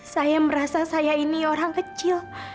saya merasa saya ini orang kecil